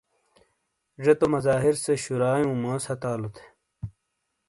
جے تو مظاہر سے شُرائیوں موس ہتھالو تھے۔